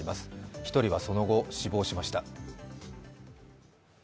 １人はその後、死亡しました。